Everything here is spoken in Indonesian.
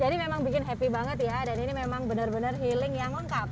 jadi memang bikin happy banget ya dan ini memang benar benar healing yang lengkap